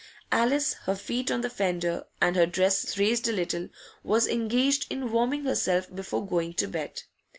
Alice, her feet on the fender and her dress raised a little, was engaged in warming herself before going to bed.